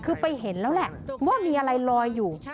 คือไปเห็นแล้วแหละว่ามีอะไรลอยอยู่